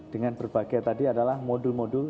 dengan berbagai tadi adalah modul modul